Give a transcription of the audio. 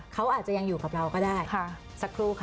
เขาอาจจะยังอยู่กับเราก็ได้สักครู่ค่ะ